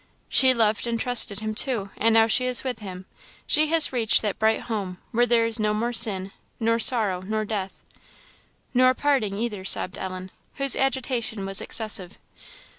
"She loved and trusted Him, too; and now she is with Him she has reached that bright home where there is no more sin, nor sorrow, nor death." "Nor parting either," sobbed Ellen, whose agitation was excessive.